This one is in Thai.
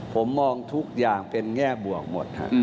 ผมมองทุกอย่างเป็นแง่บวกหมด